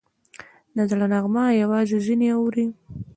د زړه نغمه یوازې ځینې اوري